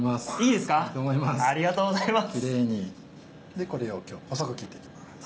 でこれを今日細く切っていきます。